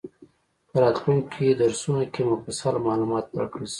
په راتلونکي درسونو کې مفصل معلومات ورکړل شي.